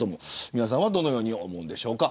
皆さんはどのように思うんでしょうか。